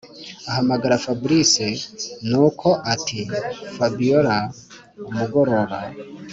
ahamagara fabric nuko ati”fabiora umugoroba